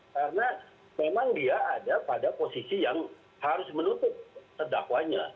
karena memang dia ada pada posisi yang harus menutup sedakwanya